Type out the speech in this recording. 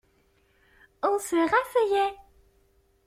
On se rasseyait.